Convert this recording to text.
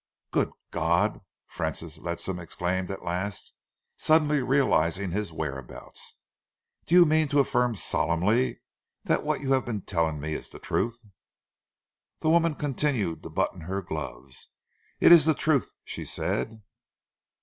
"Good God!" Francis Ledsam exclaimed at last, suddenly realising his whereabouts. "Do you mean to affirm solemnly that what you have been telling me is the truth?" The woman continued to button her gloves. "It is the truth," she said.